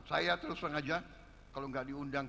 saya terus terusan aja kalau gak diundang